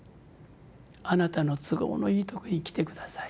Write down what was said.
あなたの都合のいい時に来て下さい」